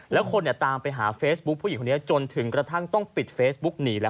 แล้วคนตามไปหาเฟซบุ๊คผู้หญิงคนนี้จนถึงกระทั่งต้องปิดเฟซบุ๊กหนีแล้ว